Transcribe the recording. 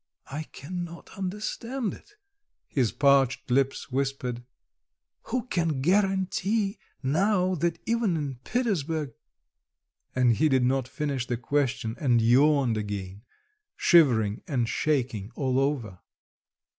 "I cannot understand it!" his parched lips whispered. "Who can guarantee now that even in Petersburg"... And he did not finish the question, and yawned again, shivering and shaking all over.